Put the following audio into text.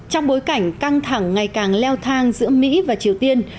trong bối cảnh căng thẳng ngày càng leo thang giữa mỹ và triều tiên